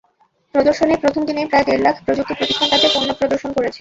প্রদর্শনীর প্রথম দিনেই প্রায় দেড় লাখ প্রযুক্তিপ্রতিষ্ঠান তাদের পণ্য প্রদর্শন করেছে।